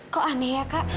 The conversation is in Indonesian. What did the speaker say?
kok aneh ya kak